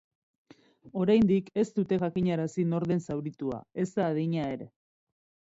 Oraindik ez dute jakinarazi nor den zauritua ezta adina ere.